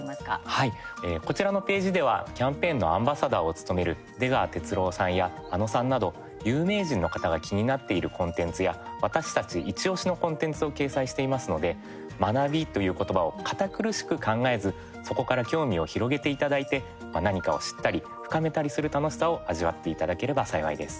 はい、こちらのページではキャンペーンのアンバサダーを務める出川哲郎さんや、あのさんなど有名人の方が気になっているコンテンツや私たちイチおしのコンテンツを掲載していますので学びという言葉を堅苦しく考えずそこから興味を広げていただいて何かを知ったり深めたりする楽しさを味わっていただければ幸いです。